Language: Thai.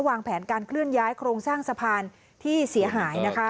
วางแผนการเคลื่อนย้ายโครงสร้างสะพานที่เสียหายนะคะ